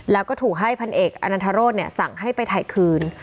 แล้วก็ถูกให้พันเอกอนันทรศสั่งให้ไปถ่ายคืน